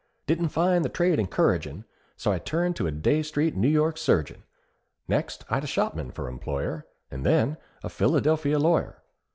Didn't find the trade encouragin' So I turned a Dey Street New York surgeon. Next I'd a shopman for employer, And then a Philadelphia lawyer.